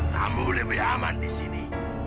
tamu lebih aman di sini